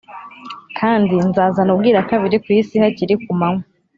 kandi nzazana ubwirakabiri ku isi hakiri ku manywa.